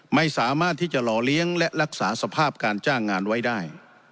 ไม่สามารถที่จะหล่อเลี้ยงและรักษาสภาพการจ้างงานไว้ได้